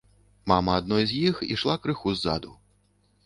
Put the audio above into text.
Мама адной з іх ішла крыху ззаду.